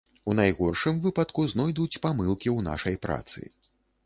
У найгоршым выпадку знойдуць памылкі ў нашай працы.